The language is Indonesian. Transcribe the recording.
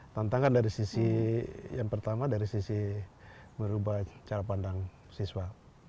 tantangan dari sisi yang pertama dari sisi merubah cara pandang siswa